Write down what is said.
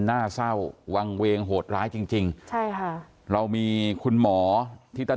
หน้าเศร้าวางเวงโหดร้ายจริงจริงใช่ค่ะเรามีคุณหมอที่ท่าน